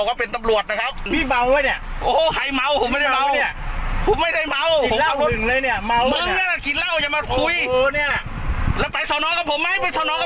อ่ะไมี่